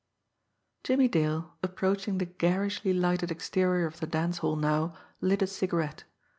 Jimmie Dale, approaching the garishly lighted exterior of the dance hall now, lit a cigarette.